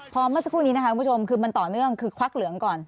พอเมื่อสักครู่นี้นะคะคุณผู้ชมคือมันต่อเนื่องคือควักเหลืองก่อน